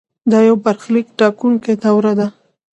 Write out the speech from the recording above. دا یو برخلیک ټاکونکې دوره وه.